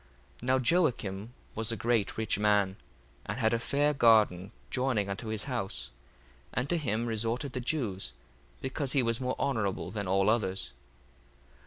1:4 Now Joacim was a great rich man, and had a fair garden joining unto his house: and to him resorted the Jews; because he was more honourable than all others.